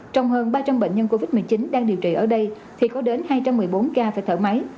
trong hơn ba trăm linh bệnh nhân covid một mươi chín đang điều trị ở đây thì có đến hai trăm một mươi bốn ca phải thở máy